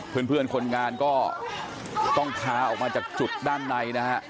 เพื่อนคนงานก็ต้องพาออกมาจากจุดด้านในนะฮะ